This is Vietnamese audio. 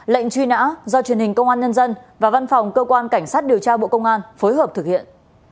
lệnh truy nã do truyền hình công an nhân dân và văn phòng cơ quan cảnh sát điều tra bộ công an phối hợp thực hiện